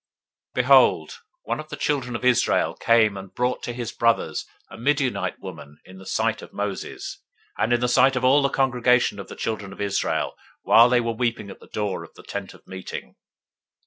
025:006 Behold, one of the children of Israel came and brought to his brothers a Midianite woman in the sight of Moses, and in the sight of all the congregation of the children of Israel, while they were weeping at the door of the tent of meeting.